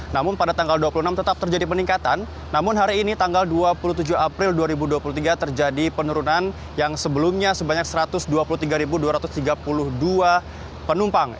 namun pada tanggal dua puluh enam tetap terjadi peningkatan namun hari ini tanggal dua puluh tujuh april dua ribu dua puluh tiga terjadi penurunan yang sebelumnya sebanyak satu ratus dua puluh tiga dua ratus tiga puluh dua penumpang